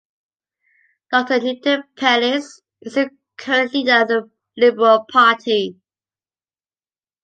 Doctor Newton Peiris is the current leader of the Liberal Party.